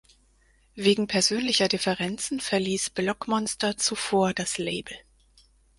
Wegen persönlicher Differenzen verließ Blokkmonsta zuvor das Label.